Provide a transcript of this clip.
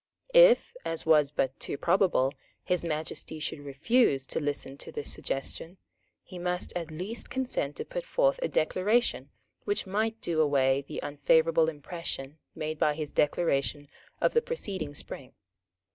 If, as was but too probable, His Majesty should refuse to listen to this suggestion, he must at least consent to put forth a Declaration which might do away the unfavourable impression made by his Declaration of the preceding spring.